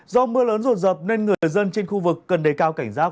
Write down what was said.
do mưa lớn rồn rập nên người dân trên khu vực cần đề cao cảnh giác